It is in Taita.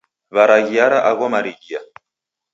Waraghiara agho maridia.